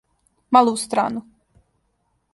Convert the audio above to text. Мало у страну.